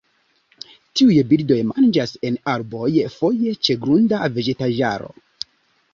Tiuj birdoj manĝas en arboj, foje ĉe grunda vegetaĵaro.